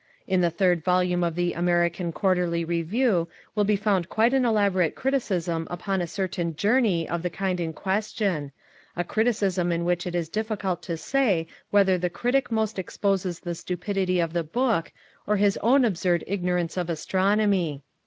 In the third volume of the "American Quarterly Review" will be found quite an elaborate criticism upon a certain "journey" of the kind in question—a criticism in which it is difficult to say whether the critic most exposes the stupidity of the book, or his own absurd ignorance of astronomy.